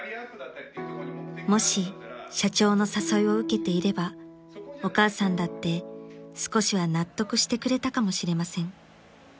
［もし社長の誘いを受けていればお母さんだって少しは納得してくれたかもしれません］